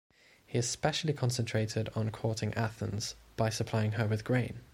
He especially concentrated on courting Athens, by supplying her with grain.